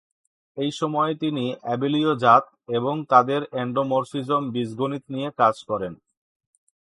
এই সময়ে তিনি অ্যাবেলীয় জাত এবং তাদের এন্ডোমরফিজম বীজগণিত নিয়ে কাজ করেন।